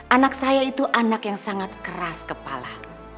anak saya itu anak yang sangat keras kepala